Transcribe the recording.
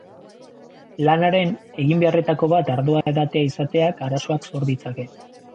Lanaren eginbeharretako bat ardoa edatea izateak arazoak sor ditzake.